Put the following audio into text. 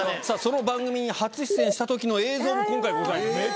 さぁその番組に初出演したときの映像も今回ございます。